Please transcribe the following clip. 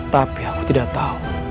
tapi aku tidak tahu